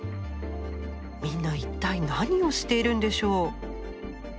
みんな一体何をしているんでしょう？